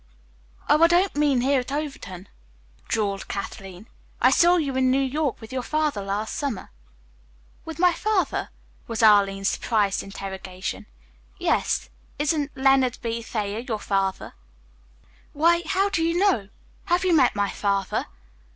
"Oh, I don't mean here at Overton," drawled Kathleen. "I saw you in New York with your father last summer." "With my father?" was Arline's surprised interrogation. "Yes. Isn't Leonard B. Thayer your father?" "Why, how did you know? Have you met my father?"